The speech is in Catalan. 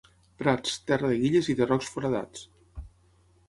Prats, terra de guilles i de rocs foradats.